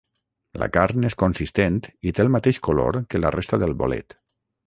La carn és consistent i té el mateix color que la resta del bolet.